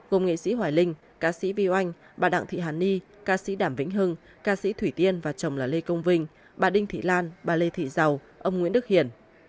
gồm nghệ sĩ hoài linh ca sĩ vy oanh bà đặng thị hàn ni ca sĩ đàm vĩnh hưng ca sĩ thủy tiên và chồng là lê công vinh bà đinh thị lan bà lê thị giàu ông nguyễn đức hiển